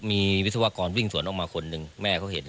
มีวิศวกรวิ่งสวนออกมาคนหนึ่งแม่เขาเห็น